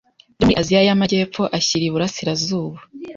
byo muri Aziya y'amajyepfo ashyira i burasirazuba.